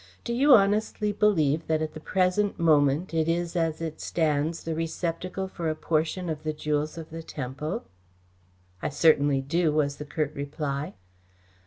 Do you honestly believe that at the present moment it is as it stands the receptacle for a portion of the jewels of the temple?" "I certainly do," was the curt reply.